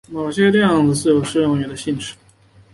某些量子霍尔态似乎拥有适用于的性质。